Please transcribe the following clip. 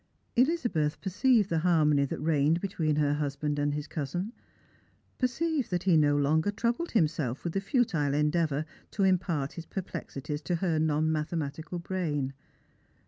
Elizabeth perceived the harmony that reigned between her husband and his cousin; perceived that he no longer troubled himself with the futile endeavour to impart his perplexities to her non mathematicai brain.